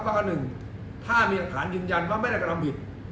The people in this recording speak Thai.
ว่าอันหนึ่งถ้ามีหลักฐานยืนยันว่าไม่ได้กำลังผิด